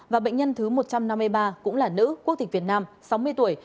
và bệnh nhân thứ một trăm năm mươi ba cũng là nữ quốc tịch việt nam sáu mươi tuổi